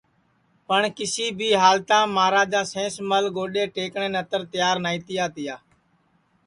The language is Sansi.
پٹؔ کیسی بھی ہالتام مہاراجا سینس مل گوڈؔے ٹئکٹؔے نتر تیار نائی تیا تیا